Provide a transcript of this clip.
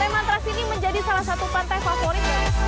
lantai matras ini menjadi salah satu pantai favorit